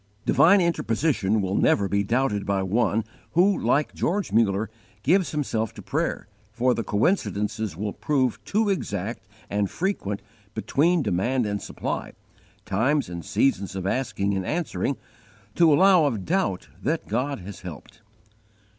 Divine interposition will never be doubted by one who, like George Muller, gives himself to prayer, for the coincidences will prove too exact and frequent between demand and supply, times and seasons of asking and answering, to allow of doubt that God has helped.